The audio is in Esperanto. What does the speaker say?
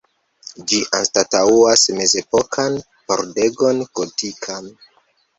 Ĝi anstataŭas mezepokan pordegon gotikan.